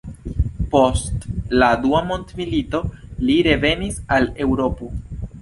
Post la dua mondmilito li revenis al Eŭropo.